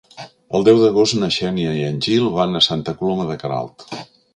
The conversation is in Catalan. El deu d'agost na Xènia i en Gil van a Santa Coloma de Queralt.